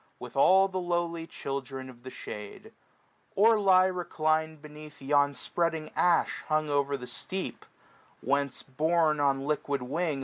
With all the lowly children of the shade : Or lie reclin'd beneath yon spreading ash, Hung o'er the steep ; whence, borne on liquid wing.